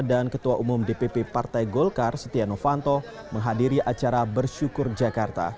dan ketua umum dpp partai golkar setia novanto menghadiri acara bersyukur jakarta